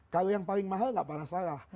kalau yang paling mahal gak pernah salah